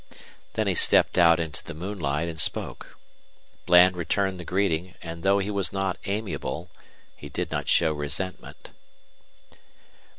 Then he stepped out into the moonlight and spoke. Bland returned the greeting, and, though he was not amiable, he did not show resentment.